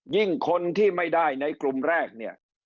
คนที่ไม่ได้ในกลุ่มแรกเนี่ย